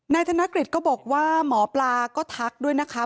ธนกฤษก็บอกว่าหมอปลาก็ทักด้วยนะคะ